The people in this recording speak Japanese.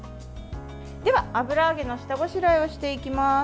では、油揚げの下ごしらえをしていきます。